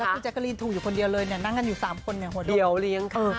แล้วกูแจ๊กะรีนถูกอยู่คนเดียวเลยเนี่ยนั่งกันอยู่๓คนเนี่ยหัวโด่ง